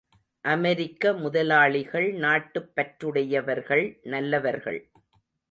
அமெரிக்க முதலாளிகள் நாட்டுப் பற்றுடையவர்கள் நல்லவர்கள்.